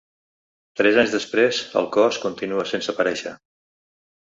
Tres anys després, el cos continua sense aparèixer.